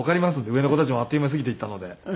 上の子たちもあっという間に過ぎていったので。